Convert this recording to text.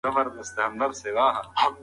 خلک باید رښتیا ووایي.